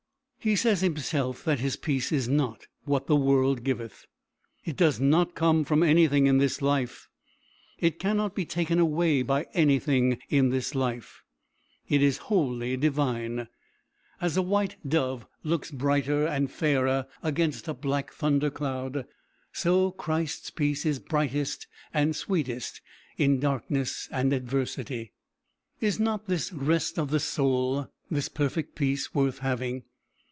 He says himself that his peace is not what the world giveth. It does not come from anything in this life; it cannot be taken away by anything in this life; it is wholly divine. As a white dove looks brighter and fairer against a black thunder cloud, so Christ's peace is brightest and sweetest in darkness and adversity. Is not this rest of the soul, this perfect peace, worth having?